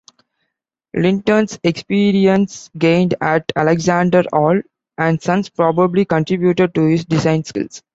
Linton's experience gained at Alexander Hall and Sons probably contributed to his design skills.